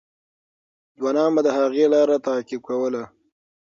ځوانان به د هغې لار تعقیب کوله.